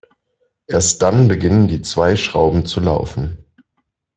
Erst dann beginnen die zwei Schrauben zu laufen.